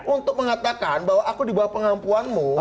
untuk mengatakan bahwa aku dibawa pengampuanmu